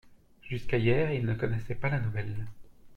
Jusqu’à hier ils ne connaissaient pas la nouvelle.